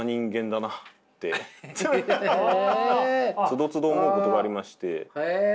つどつど思うことがありまして。